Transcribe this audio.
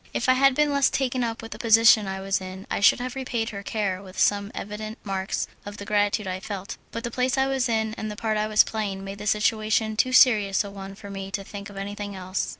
If I had been less taken up with the position I was in I should have repaid her care with some evident marks of the gratitude I felt, but the place I was in and the part I was playing made the situation too serious a one for me to think of anything else.